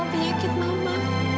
jangan nyakit mama